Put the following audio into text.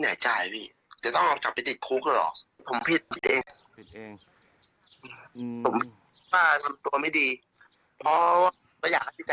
เพราะว่าไม่อยากให้ภรรยาไปเจอคนดีดีนะ